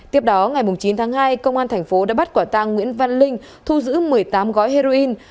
tiếp đó ngày chín tháng hai công an thành phố đã bắt quả tăng nguyễn văn linh thu giữ một mươi tám gói heroin